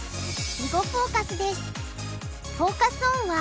「囲碁フォーカス」です。